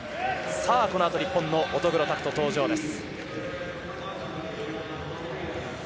このあと日本の乙黒拓斗登場です。